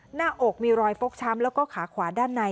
หน้าอกมีรอยฟกช้ำแล้วก็ขาขวาด้านใน